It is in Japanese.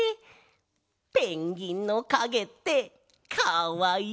ペンギンのかげってかわいいねえ。